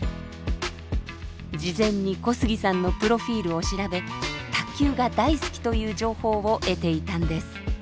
事前に小杉さんのプロフィールを調べ卓球が大好きという情報を得ていたんです。